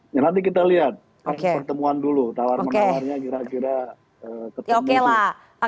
nanti kita lihat pertemuan dulu tawaran penawarannya kira kira ketemu